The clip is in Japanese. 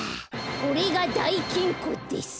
これがだいきんこです。